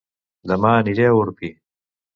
Dema aniré a Orpí